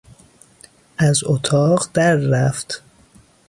از اتاق در رفت.